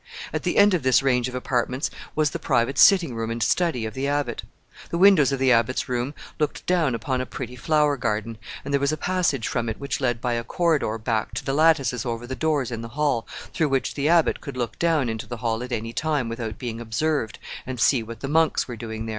At the end of this range of apartments was the private sitting room and study of the abbot. The windows of the abbot's room looked down upon a pretty flower garden, and there was a passage from it which led by a corridor back to the lattices over the doors in the hall, through which the abbot could look down into the hall at any time without being observed, and see what the monks were doing there.